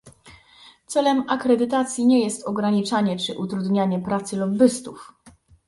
Celem akredytacji nie jest ograniczanie czy utrudnianie pracy lobbystów